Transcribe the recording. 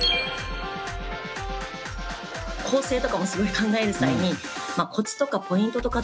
構成とかもすごい考える際にコツとかポイントとかって。